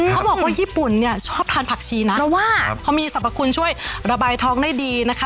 เขาบอกว่าญี่ปุ่นเนี่ยชอบทานผักชีนะเพราะว่าพอมีสรรพคุณช่วยระบายท้องได้ดีนะคะ